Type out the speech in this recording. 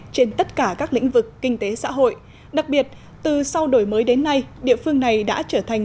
trên tất cả các lĩnh vực kinh tế xã hội đặc biệt từ sau đổi mới đến nay địa phương này đã trở thành